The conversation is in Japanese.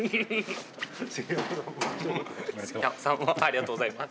ありがとうございます。